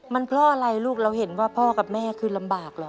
มันเพราะอะไรลูกเราเห็นว่าพ่อกับแม่คือลำบากเหรอ